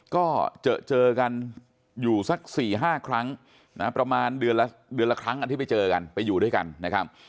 ก็เจอกันอยู่สัก๔๕ครั้งนะประมาณเดือนละครั้งอันที่ไปเจอกันไปอยู่ด้วยกันนะครับ